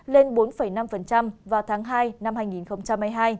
lên bốn năm vào tháng hai năm hai nghìn hai mươi hai